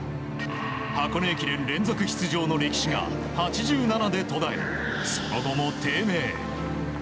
箱根駅伝連続出場の歴史が８７で途絶え、その後も低迷。